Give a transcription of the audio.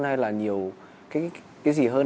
hay là nhiều cái gì hơn